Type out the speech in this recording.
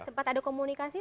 sempat ada komunikasi